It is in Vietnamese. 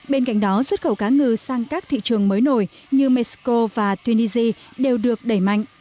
bên cạnh đó xuất khẩu cá ngừ sang các thị trường mới nổi như mexico và tunisia đều được đẩy mạnh